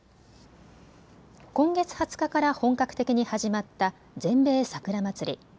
今月２０日から本格的に始まった全米桜祭り。